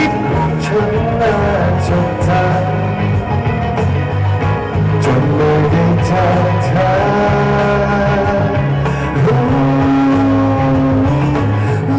ขอบคุณทุกเรื่องราว